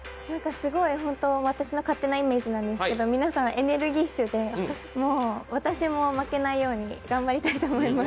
すごい、勝手なイメージなんですけど皆さんエネルギッシュでもう私も負けないように頑張りたいと思います。